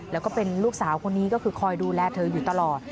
แล้วก็เป็นลูกสาวคนนี้ก็คือคอยดูแลเธออยู่ตลอด